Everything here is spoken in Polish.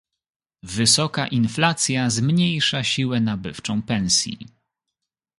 Wysoka inflacja zmniejsza siłę nabywczą pensji.